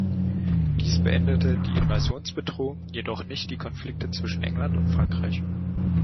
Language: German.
Dies beendete die Invasionsbedrohung, jedoch nicht die Konflikte zwischen England und Frankreich.